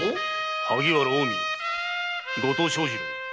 萩原近江後藤庄次郎。